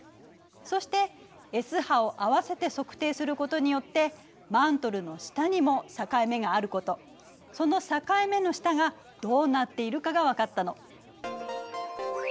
そしてＳ波を併せて測定することによってマントルの下にも境目があることその境目の下がどうなっているかが分かったの。